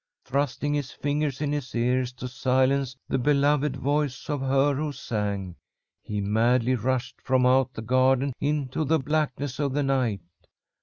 "Thrusting his fingers in his ears to silence the beloved voice of her who sang, he madly rushed from out the garden into the blackness of the night.